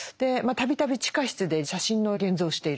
度々地下室で写真の現像をしている。